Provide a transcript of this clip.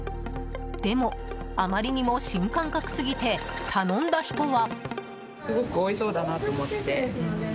でも、あまりにも新感覚過ぎて頼んだ人は。